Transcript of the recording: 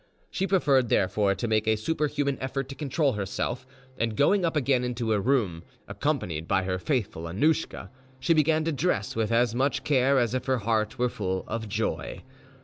She preferred, therefore, to make a superhuman effort to control herself; and, going up again into her room, accompanied by her faithful Annouschka, she began to dress with as much care as if her heart were full of joy.